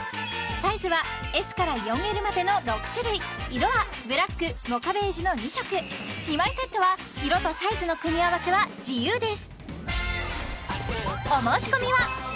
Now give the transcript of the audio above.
サイズはＳから４Ｌまでの６種類色はブラックモカベージュの２色２枚セットは色とサイズの組み合わせは自由です